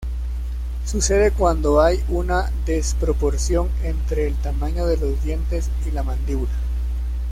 Sucede cuando hay una desproporción entre el tamaño de los dientes y la mandíbula.